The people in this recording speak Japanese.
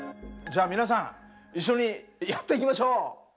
じゃあ皆さん一緒にやっていきましょう！